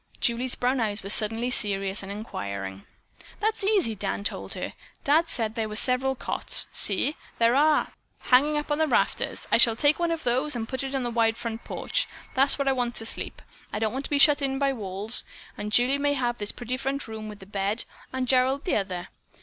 Julie's brown eyes were suddenly serious and inquiring. "That's easy!" Dan told her. "Dad said there were several cots. See, there they are, hanging up on the rafters. I shall take one of those and put it out on the wide front porch. That's where I want to sleep. I don't want to be shut in by walls. And Julie may have this pretty front room with the bed and Gerald the other.